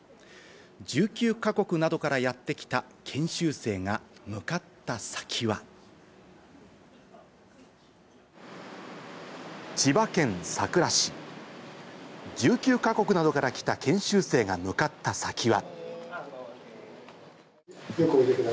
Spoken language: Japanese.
１９か国などからやってきた研修生が向かった先は千葉県佐倉市、１９か国などから来た研修生が向かった先は。